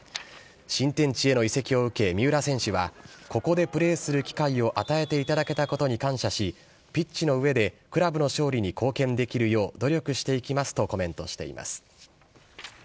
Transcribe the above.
新天地への移籍を受け、三浦選手はここでプレーする機会を与えていただけたことに感謝し、ピッチの上でクラブの勝利に貢献できるよう、努力していきますとコメントしています。